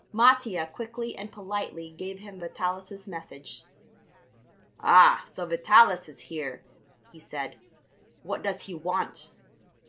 Mattia quickly and politely gave him Vitalis' message. "Ah, so Vitalis is here," he said; "what does he want?"